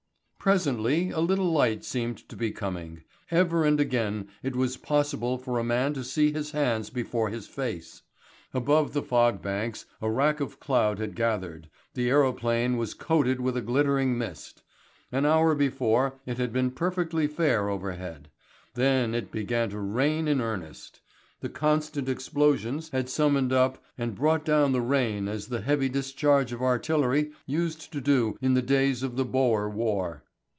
Presently a little light seemed to be coming. Ever and again it was possible for a man to see his hands before his face. Above the fog banks a wrack of cloud had gathered, the aerophane was coated with a glittering mist. An hour before it had been perfectly fair overhead. Then it began to rain in earnest. The constant explosions had summoned up and brought down the rain as the heavy discharge of artillery used to do in the days of the Boer War.